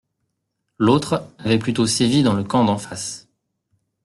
L’autre avait plutôt sévi dans le camp d’en face.